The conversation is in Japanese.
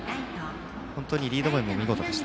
本当にリード面も見事でした。